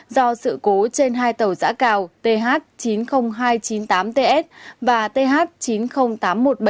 do sự cố trên hai tàu giã cào th chín mươi nghìn hai trăm chín mươi tám ts và th chín mươi nghìn hai trăm chín mươi tám t